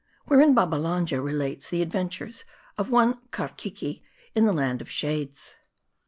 WHEREIN BABBALANJA RELATES THE ADVENTURE OP ONE KARKEKE IN THE LAND OF SHADES.